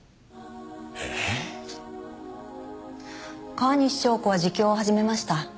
川西祥子は自供を始めました。